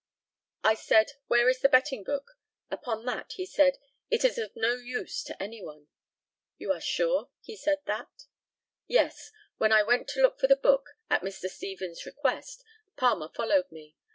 I said, "Where is the betting book?" Upon that he said, "It is of no use to anyone." You are sure he said that? Yes. When I went to look for the book, at Mr. Stevens' request, Palmer followed me.